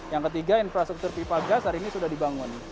yang ketiga infrastruktur pipa gas hari ini sudah dibangun